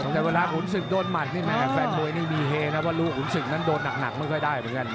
แต่เวลาขุนศึกโดนหมัดนี่แม่แฟนมวยนี่มีเฮนะว่าลูกขุนศึกนั้นโดนหนักไม่ค่อยได้เหมือนกัน